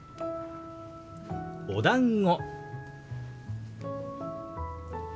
「おだんご」。